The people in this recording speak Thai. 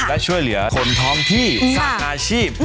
และช่วยเหลือคนท้องที่สร้างอาชีพ